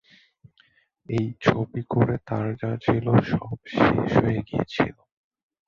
এই ছবি করে তাঁর যা ছিল সব শেষ হয়ে গিয়েছিল।